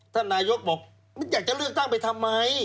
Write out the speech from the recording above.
ท่านนายกบอกมันอยากจะเลือกตั้งไปทำไม